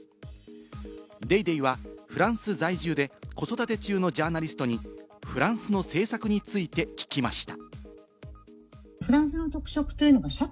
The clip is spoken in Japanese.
『ＤａｙＤａｙ．』はフランス在住で子育て中のジャーナリストに、フランスの政策について聞きました。